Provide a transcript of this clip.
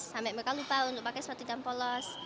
sampai mereka lupa untuk pakai sepatu jam polos